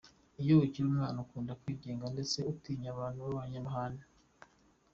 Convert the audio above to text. Iyo akiri umwana akunda kwigenga ndetse atinya abantu b’abanyamahane.